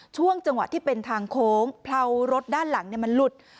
ช่วงจังหวะที่เป็นทางโค้งเผลารถด้านหลังมันหลุด